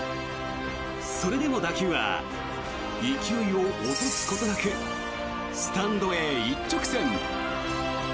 それでも打球は勢いを落とすことなくスタンドへ一直線。